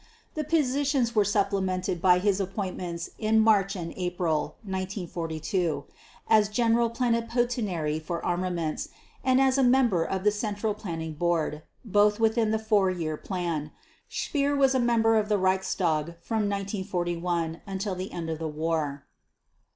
The positions were supplemented by his appointments in March and April 1942 as General Plenipotentiary for Armaments and as a member of the Central Planning Board, both within the Four Year Plan. Speer was a member of the Reichstag from 1941 until the end of the war.